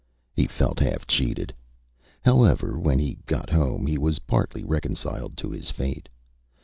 He felt half cheated. However, when he got home he was partly reconciled to his fate.